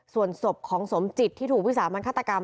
ส่วนศพของสมจิตที่ถูกวิสามันฆาตกรรม